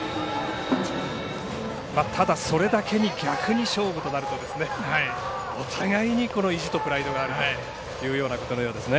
ただ、それだけに逆に勝負となるとお互いに意地とプライドがあるということのようですね。